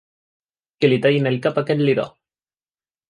Que li tallin el cap a aquest liró!